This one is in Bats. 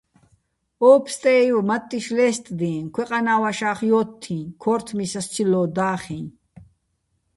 ო ფსტე́ივ მატტიშ ლე́სტდიეჼ, ქვეყანა́ ვაშა́ხ ჲოთთიჼ, ქო́რთმი სასცილო́ და́ხიჼ.